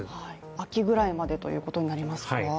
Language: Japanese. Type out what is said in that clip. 秋ぐらいまでということになりますか？